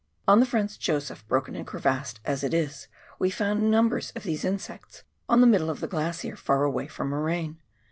On the Franz Josef, broken and crevassed as it is, we found numbers of these insects on the middle of the glacier far away from moraine.